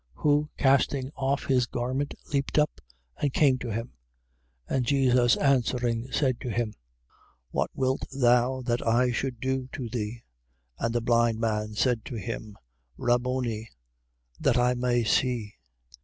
10:50. Who casting off his garment leaped up and came to him. 10:51. And Jesus answering, said to him: What wilt thou that I should do to thee? And the blind man said to him: Rabboni. That I may see.